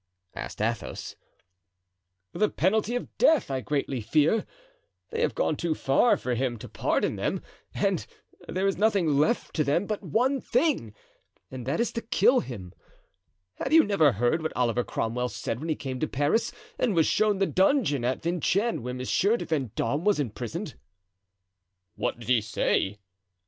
asked Athos. "The penalty of death, I greatly fear; they have gone too far for him to pardon them, and there is nothing left to them but one thing, and that is to kill him. Have you never heard what Oliver Cromwell said when he came to Paris and was shown the dungeon at Vincennes where Monsieur de Vendome was imprisoned?" "What did he say?"